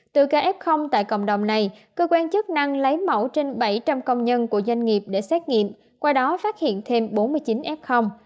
từ kf tại cộng đồng này cơ quan chức năng lấy mẫu trên bảy trăm linh công nhân của doanh nghiệp để xét nghiệm qua đó phát hiện thêm bốn mươi chín f